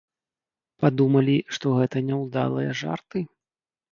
Падумалі, што гэта няўдалыя жарты?